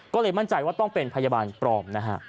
ก็เลยว่าต้องเป็นพยาบาลโปร่ม